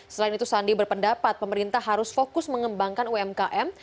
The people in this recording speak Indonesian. selain itu sandi berpendapat pemerintah harus fokus mengembangkan umkm